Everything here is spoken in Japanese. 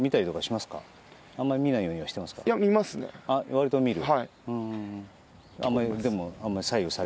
わりと見る？